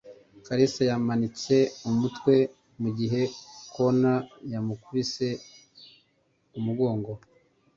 Kalisa yamanitse umutwe mugihe Connor yamukubise umugongo